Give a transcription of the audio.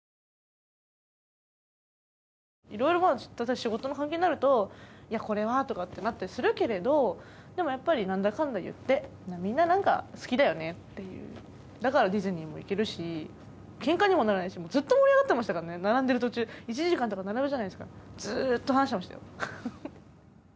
色々まだ仕事の関係になると「これは」とかってなったりするけれどでもやっぱり何だかんだいってみんな好きだよねっていうだからディズニーも行けるしケンカにもならないしずっと盛り上がってましたからね並んでる途中１時間とか並ぶじゃないですかずっと話してましたよ